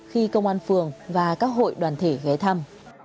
khi công an phường và các hội đoàn thể ghé thăm